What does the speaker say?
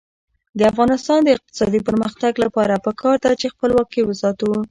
د افغانستان د اقتصادي پرمختګ لپاره پکار ده چې خپلواکي وساتو.